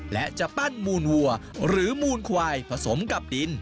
และจะปั้นมูลวัวหรือมูลควายผสมกับดิน